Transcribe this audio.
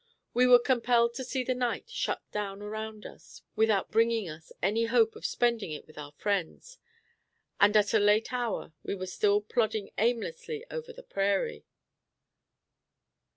We were compelled to see the night shut down around us, without bringing us any hope of spending it with our friends; and at a late hour we were still plodding aimlessly over the prairie.